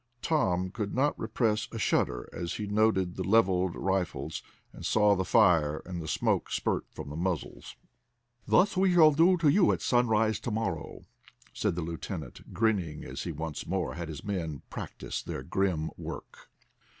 Tom could not repress a shudder as he noted the leveled rifles, and saw the fire and smoke spurt from the muzzles. "Thus we shall do to you at sunrise to morrow," said the lieutenant, grinning, as he once more had his men practice their grim work.